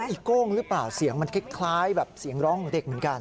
โก้งหรือเปล่าเสียงมันคล้ายแบบเสียงร้องของเด็กเหมือนกัน